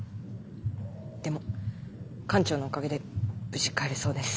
でも艦長のおかげで無事帰れそうです。